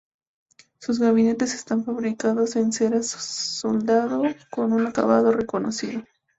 Sus gabinetes están fabricados en cera soldado, con un acabado recocido.